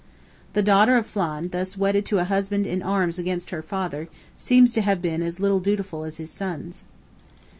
The daughter of Flan, thus wedded to a husband in arms against her father, seems to have been as little dutiful as his sons.